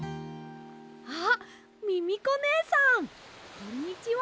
あっミミコねえさんこんにちは！